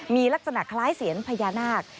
มีลักษณะคล้ายเสียญพญานาค